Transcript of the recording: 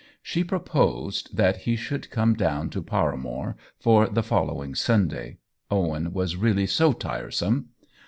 She proposed that he should 13 178 OWEN WINGRAVE come down to Paramore for the following Sunday — Owen was really so tiresome.